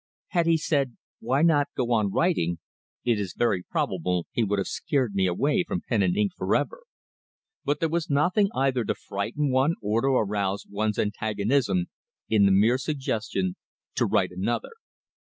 Had he said, "Why not go on writing," it is very probable he would have scared me away from pen and ink for ever; but there was nothing either to frighten one or arouse one's antagonism in the mere suggestion to "write another."